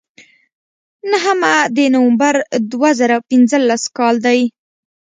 نهمه د نومبر دوه زره پینځلس کال دی.